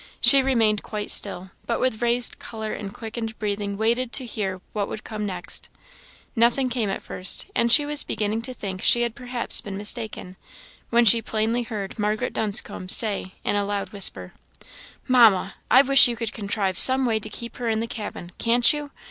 She remained quite still, but with raised colour and quickened breathing waited to hear what would come next. Nothing came at first, and she was beginning to think she had perhaps been mistaken, when she plainly heard Margaret Dunscombe say, in a loud whisper "Mamma, I wish you could contrive some way to keep her in the cabin can't you?